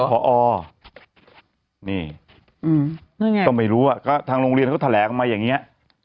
พอนี่ก็ไม่รู้อ่ะก็ทางโรงเรียนเขาแถลกลับมาอย่างเงี้ย